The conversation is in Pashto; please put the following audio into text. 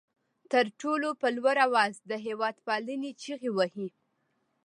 تر ټولو په لوړ آواز د هېواد پالنې چغې وهي.